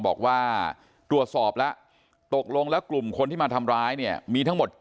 บอกว่าตรวจสอบแล้วตกลงแล้วกลุ่มคนที่มาทำร้ายเนี่ยมีทั้งหมด